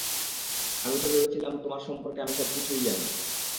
আমি তো ভেবেছিলাম, তোমার সম্পর্কে আমি সব কিছুই জানি।